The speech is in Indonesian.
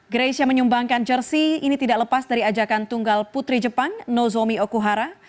greysia menyumbangkan jersey ini tidak lepas dari ajakan tunggal putri jepang nozomi okuhara